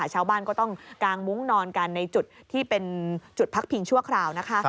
ชาวบ้านก็ต้องกางมุ้งนอนกันในจุดที่เป็นจุดพักพิงชั่วคราวนะคะ